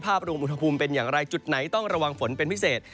รวมอุณหภูมิเป็นอย่างไรจุดไหนต้องระวังฝนเป็นพิเศษ